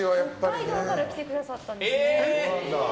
北海道から来てくださったんですね。